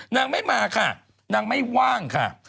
นางไม่มาค่ะนางไม่ว่างค่ะ